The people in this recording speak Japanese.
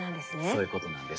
そういうことなんです。